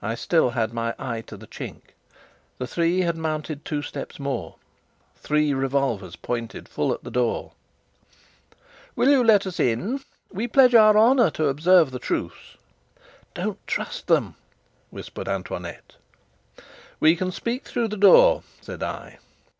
I still had my eye to the chink. The three had mounted two steps more; three revolvers pointed full at the door. "Will you let us in? We pledge our honour to observe the truce." "Don't trust them," whispered Antoinette. "We can speak through the door," said I.